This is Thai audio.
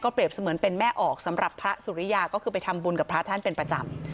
เปรียบเสมือนเป็นแม่ออกสำหรับพระสุริยาก็คือไปทำบุญกับพระท่านเป็นประจำ